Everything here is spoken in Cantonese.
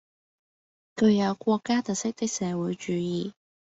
具有國家特色的社會主義